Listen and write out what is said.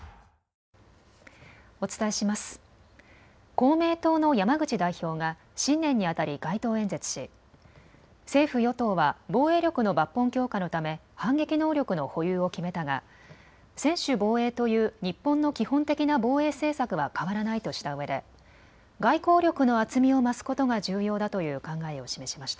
公明党の山口代表が新年にあたり街頭演説し政府与党は防衛力の抜本強化のため、反撃能力の保有を決めたが専守防衛という日本の基本的な防衛政策は変わらないとしたうえで外交力の厚みを増すことが重要だという考えを示しました。